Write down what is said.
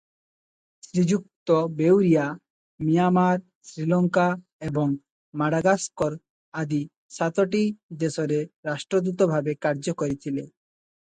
ଶ୍ରୀଯୁକ୍ତ Beuria Myanmar, Sri Lanka ଏବଂ Madagascar ଆଦି ସାତଟି ଦେଶରେ ରାଷ୍ଟ୍ରଦୂତ ଭାବେ କାର୍ଯ୍ୟ କରିଥିଲେ ।